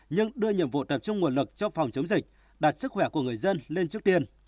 nhưng đưa nhiệm vụ tập trung nguồn lực cho phòng chống dịch đạt sức khỏe của người dân lên trước tiên